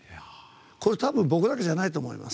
これは僕だけじゃないと思います。